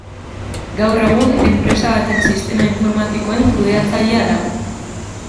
Gaur egun enpresa baten sistema informatikoen kudeatzailea da.